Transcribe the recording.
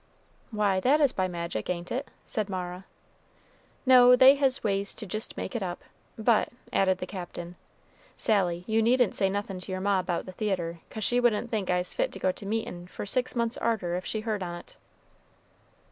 "Why, that is by magic, ain't it?" said Mara. "No; they hes ways to jist make it up; but," added the Captain, "Sally, you needn't say nothin' to your ma 'bout the theatre, 'cause she wouldn't think I's fit to go to meetin' for six months arter, if she heard on't."